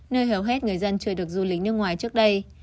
nơi hầu hết người dân chưa được du lịch nước ngoài trước đây